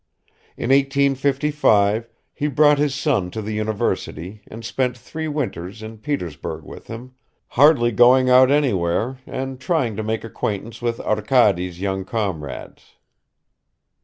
In 1855 he brought his son to the university and spent three winters in Petersburg with him, hardly going out anywhere and trying to make acquaintance with Arkady's young comrades.